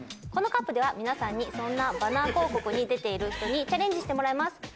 このＣＵＰでは皆さんにそんなバナー広告に出ている人にチャレンジしてもらいます。